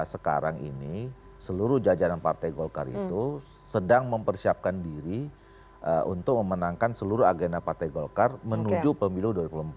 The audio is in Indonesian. sekarang ini seluruh jajaran partai golkar itu sedang mempersiapkan diri untuk memenangkan seluruh agenda partai golkar menuju pemilu dua ribu empat belas